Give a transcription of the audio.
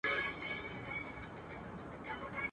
امیر ږغ کړه ویل ستا دي هم په یاد وي.